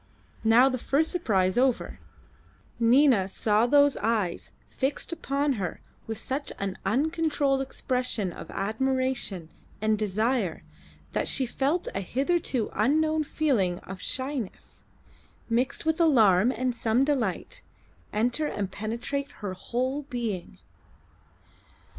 Now, the first surprise over, Nina saw those eyes fixed upon her with such an uncontrolled expression of admiration and desire that she felt a hitherto unknown feeling of shyness, mixed with alarm and some delight, enter and penetrate her whole being.